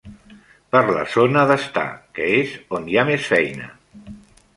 Per la zona d'estar, que és on hi ha més feina.